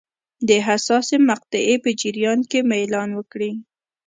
د حساسې مقطعې په جریان کې میلان وکړي.